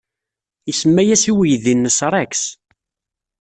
Isemma-as i weydi-nnes Rex.